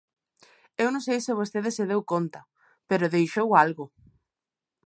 Eu non sei se vostede se deu conta, pero deixou algo.